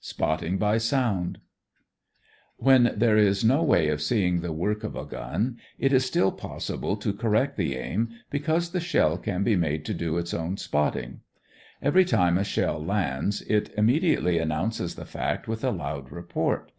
SPOTTING BY SOUND When there is no way of seeing the work of a gun, it is still possible to correct the aim, because the shell can be made to do its own spotting. Every time a shell lands, it immediately announces the fact with a loud report.